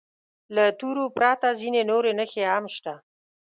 له تورو پرته ځینې نورې نښې هم شته.